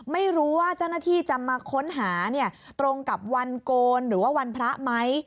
ไม่รู้ว่าเจ้าหน้าที่จะมาค้นหาเนี่ยตรงกับวันโกนหรือว่าวันพระไหม